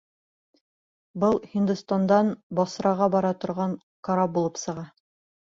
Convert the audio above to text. Был Һиндостандан Басраға бара торған карап булып сыға.